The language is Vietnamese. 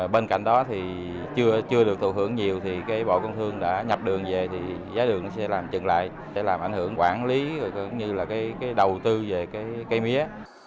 bên cạnh đó thì chưa được tổ hưởng nhiều thì bộ công thương đã nhập đường về thì giá đường nó sẽ làm trứng lại sẽ làm ảnh hưởng quản lý cũng như là đầu tư về cây mía